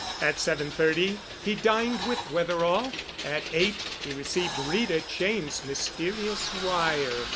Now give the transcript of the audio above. At seven thirty he dined with Wetherall. At eight he received Rita Cheyne's mysterious wire.